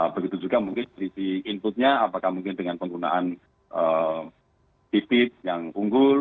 begitu juga mungkin dari sisi inputnya apakah mungkin dengan penggunaan tipis yang unggul